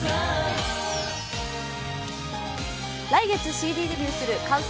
来月ＣＤデビューする関西